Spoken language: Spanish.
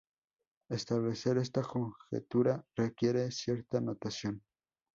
Establecer esta conjetura requiere cierta notación.